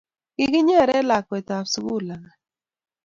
Kikinyeren lakwet ab sukul langat